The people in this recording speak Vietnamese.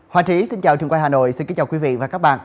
hòa trí xin chào trường quay hà nội xin kính chào quý vị và các bạn